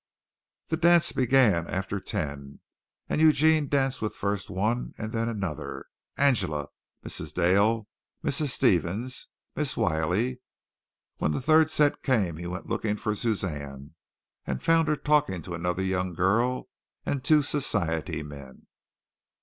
The dance began after ten, and Eugene danced with first one and then another Angela, Mrs. Dale, Mrs. Stevens, Miss Willy. When the third set came he went looking for Suzanne and found her talking to another young girl and two society men.